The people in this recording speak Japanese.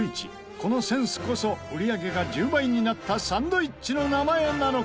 このセンスこそ売り上げが１０倍になったサンドイッチの名前なのか？